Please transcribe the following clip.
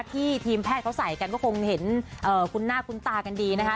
ทีมแพทย์เขาใส่กันก็คงเห็นคุ้นหน้าคุ้นตากันดีนะคะ